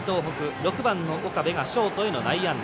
６番の岡部がショートへの内野安打。